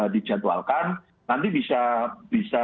dicatualkan nanti bisa